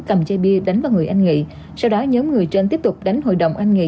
cầm chai bia đánh vào người anh nghị sau đó nhóm người trên tiếp tục đánh hội đồng anh nghị